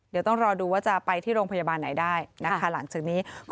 เดี๋ยวต้องรอดูว่าจะไปที่โรงพยาบาลไหนได้นะคะหลังจากนี้